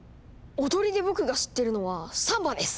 踊りで僕が知ってるのはサンバです！